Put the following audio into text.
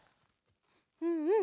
うんうん。